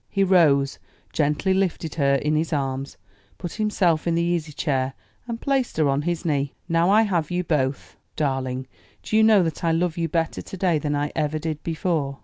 He rose, gently lifted her in his arms, put himself in the easy chair and placed her on his knee. "Now I have you both. Darling, do you know that I love you better to day than I ever did before?"